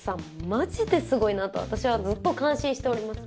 マジですごいなと私はずっと感心しております